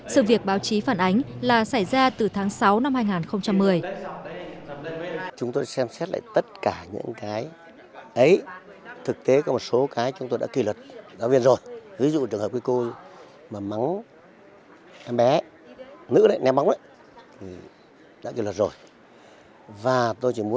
sự việc báo chí phản ánh là xảy ra từ tháng sáu năm hai nghìn một mươi